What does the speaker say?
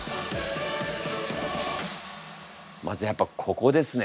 まずやっぱここですね。